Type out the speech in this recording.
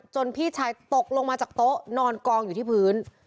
พี่ชายตกลงมาจากโต๊ะนอนกองอยู่ที่พื้น